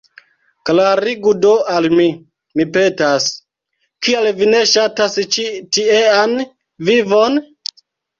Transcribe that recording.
Klarigu do al mi, mi petas, kial vi ne ŝatas ĉi tiean vivon?